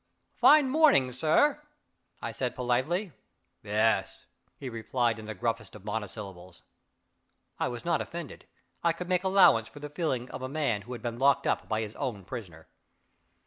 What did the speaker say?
"Fine morning, sir," I said politely. "Yes," he replied in the gruffest of monosyllables. I was not offended: I could make allowance for the feelings of a man who had been locked up by his own prisoner.